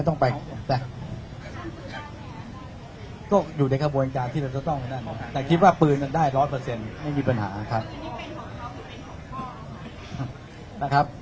ก็อยู่ในกระบวนการที่เราจะต้องกันได้แต่คิดว่าปืนนั้นได้๑๐๐ไม่มีปัญหาครับ